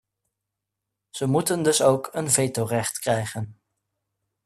Ze moeten dus ook een vetorecht krijgen.